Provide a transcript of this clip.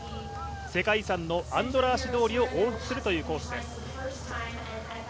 世界遺産のアンドラーシ通りを往復するというコースです。